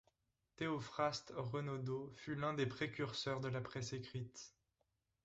Théophraste Renaudot fut l’un des précurseurs de la presse écrite.